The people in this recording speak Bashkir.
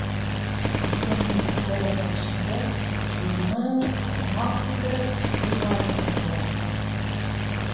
Иртәнге физзарядка эшләгәс, йыуынып, тамаҡ туйҙырып, юлға әҙерләнделәр.